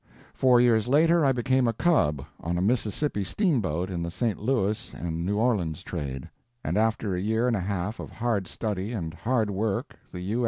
Four years later I became a "cub" on a Mississippi steamboat in the St. Louis and New Orleans trade, and after a year and a half of hard study and hard work the U.